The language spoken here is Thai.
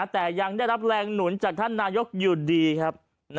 แต่ยังได้รับแรงหนุนจากท่านนายกอยู่ดีครับ